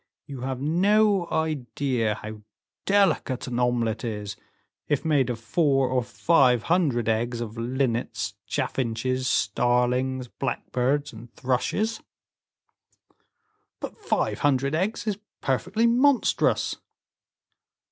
You have no idea how delicate an omelette is, if made of four or five hundred eggs of linnets, chaffinches, starlings, blackbirds, and thrushes." "But five hundred eggs is perfectly monstrous!"